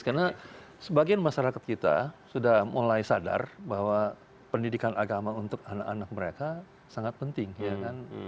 karena sebagian masyarakat kita sudah mulai sadar bahwa pendidikan agama untuk anak anak mereka sangat penting ya kan